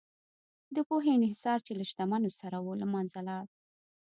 د پوهې انحصار چې له شتمنو سره و، له منځه لاړ.